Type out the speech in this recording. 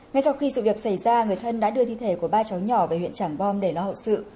ngay sau khi sự việc xảy ra người thân đã đưa thi thể của ba cháu nhỏ về huyện trảng bom để lo hậu sự